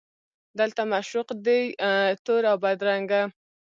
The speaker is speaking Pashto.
دلته معشوق دی تور اوبدرنګه